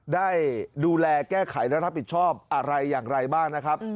ได้ดูแลแก้ไขและรับผิดชอบอะไรอย่างไรบ้างนะครับ